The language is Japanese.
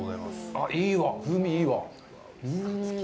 あっ、いいわ、風味がいいわ。